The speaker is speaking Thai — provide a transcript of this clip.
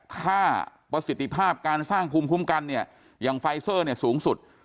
ค่าประสิทธิภาพการสร้างภูมิคุ้มกันเนี่ยอย่างไฟเซอร์เนี่ยสูงสุด